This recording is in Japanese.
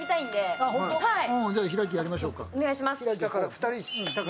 じゃあ、開きやりましょうか。